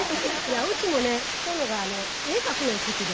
うちもね殿が絵描くの好きで。